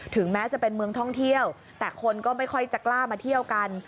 แม้จะเป็นเมืองท่องเที่ยวแต่คนก็ไม่ค่อยจะกล้ามาเที่ยวกัน